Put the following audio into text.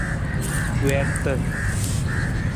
Wiirata.